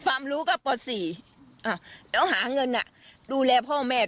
ความรู้ก็ปฏิเสธ๔แล้วหาเงินดูแลพ่อแม่ตั้งกับปฏิเสธ๕๒